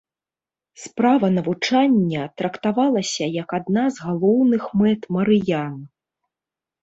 Справа навучання трактавалася як адна з галоўных мэт марыян.